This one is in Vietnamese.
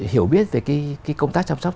hiểu biết về công tác chăm sóc